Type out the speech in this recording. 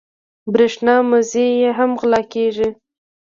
د برېښنا مزي یې هم غلا کېږي.